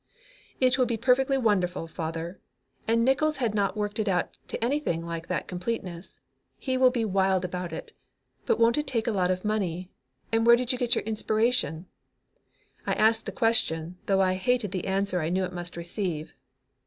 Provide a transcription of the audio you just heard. "It will be perfectly wonderful, father, and Nickols had not worked it out to anything like that completeness. He will be wild about it, but won't it take a lot of money? And where did you get your inspiration?" I asked the question, though I hated the answer I knew it must receive.